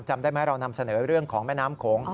จำได้ไหมเรานำเสนอเรื่องของแม่น้ำโขง